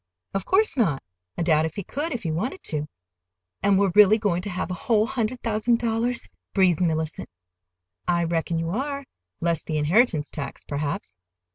"Of course not! I doubt if he could, if he wanted to." "And we're really going to have a whole hundred thousand dollars?" breathed Mellicent. "I reckon you are—less the inheritance tax, perhaps."